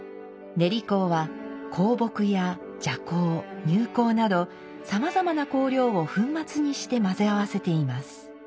練香は香木や麝香乳香などさまざまな香料を粉末にして混ぜ合わせています。